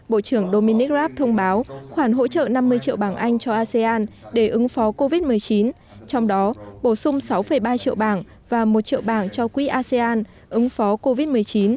bộ trưởng dominic raab thông báo khoản hỗ trợ năm mươi triệu bảng anh cho asean để ứng phó covid một mươi chín trong đó bổ sung sáu ba triệu bảng và một triệu bảng cho quỹ asean ứng phó covid một mươi chín